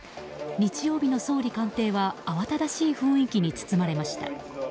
日曜日の総理官邸はあわただしい雰囲気に包まれました。